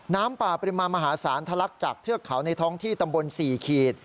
น้ำป่าปริมาณมหาศาลทะลักจากเทือกเขาในท้องที่ตำบล๔ขีด